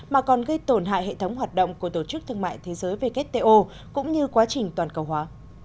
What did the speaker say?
mà còn gây tổn hại hệ thống hoạt động của tổ chức thương mại thế giới wto cũng như quá trình toàn cầu hóa